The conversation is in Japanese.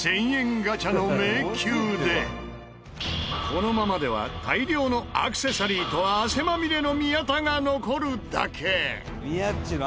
このままでは大量のアクセサリーと汗まみれの宮田が残るだけ。